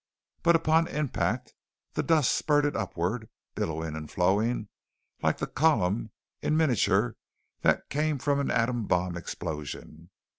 But upon impact the dust spurted upwards, billowing and flowing like the column in miniature that came from an atom bomb explosion.